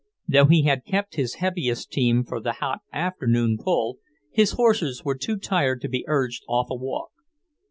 Though he had kept his heaviest team for the hot afternoon pull, his horses were too tired to be urged off a walk.